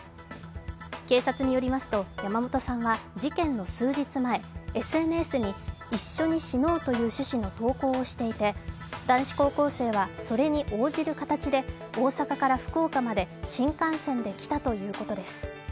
警察によりますと山本さんは事件の数日前、ＳＮＳに「一緒に死のう」という趣旨の投稿をしていて男子高校生は、それに応じる形で大阪から福岡まで新幹線で来たということです。